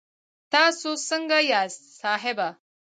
تاسو سنګه یاست صاحبه